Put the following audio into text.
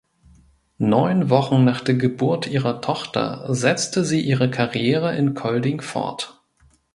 Neun Wochen nach der Geburt ihrer Tochter setzte sie ihre Karriere in Kolding fort.